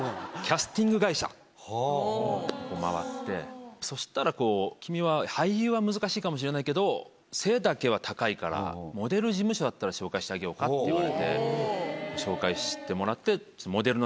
回ってそしたらこう「君は俳優は難しいかもしれないけど背丈は高いからモデル事務所だったら紹介してあげようか」って言われて紹介してもらって。